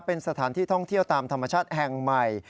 เป็นสถานที่ท่องเที่ยวตามธรรมชาติแห่งใหม่